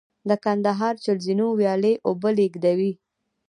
د کندهار چل زینو ویالې اوبه لېږدوي